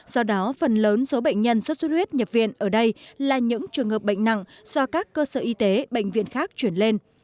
do đó phần lớn số bệnh nhân xuất xuất huyết nhập viện ở đây là những trường hợp bệnh nặng do các cơ sở y tế bệnh viện khác chuyển lên